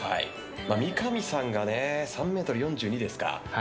三上さんが３ｍ４２ですか。